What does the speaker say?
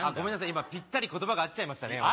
今ピッタリ言葉が合っちゃいましたね